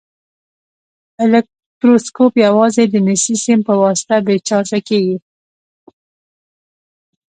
الکتروسکوپ یوازې د مسي سیم په واسطه بې چارجه کیږي.